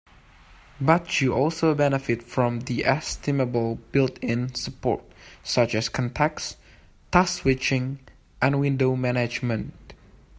But you also benefit from the estimable built-in support such as contexts, task switching, and window management.